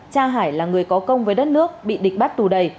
cha hải là người có công với đất nước bị địch bắt tù đầy